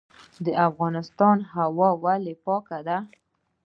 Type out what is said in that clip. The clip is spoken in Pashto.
د افغانستان هوا ولې پاکه ده؟